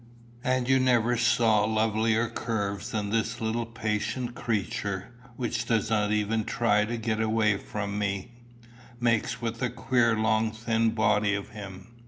And you never saw lovelier curves than this little patient creature, which does not even try to get away from me, makes with the queer long thin body of him."